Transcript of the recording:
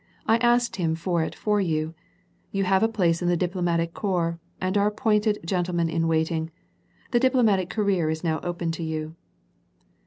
I asked him for it for you : you have a place in the diplomatic corps, and are appointed gentleman in waiting. The diplomatic career is now open to you."